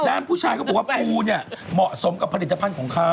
แล้วผู้ชายเขาบอกว่าปูเหมาะสมกับผลิตภัณฑ์ของเขา